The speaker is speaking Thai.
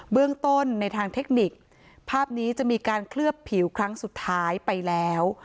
เบื้องต้นในทางเทคนิคภาพนี้จะมีการเคลือบผิวครั้งสุดท้ายไปแล้ว